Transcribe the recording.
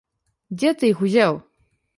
Дзе ты іх узяў?